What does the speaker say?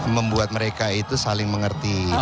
membuat mereka itu saling mengerti